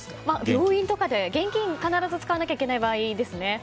病院とかで現金必ず使わなきゃいけない場合ですね。